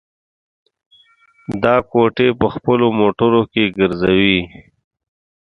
دا کوټې په خپلو موټرو کې ګرځوي.